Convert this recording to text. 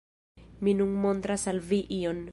Mi nun montras al vi ion...